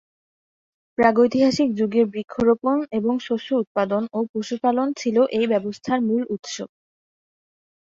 প্রাগৈতিহাসিক যুগের বৃক্ষরোপণ এবং শস্য উৎপাদন ও পশুপালন ছিল এই ব্যবস্থার মূল উৎস।